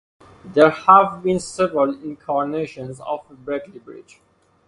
There have been several incarnations of a Berkley Bridge.